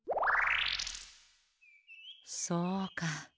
そうか。